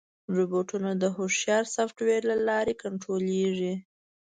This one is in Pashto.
روبوټونه د هوښیار سافټویر له لارې کنټرولېږي.